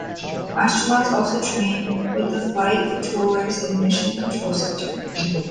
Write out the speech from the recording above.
Astronauts also train with the flight controllers in the Mission Control Center.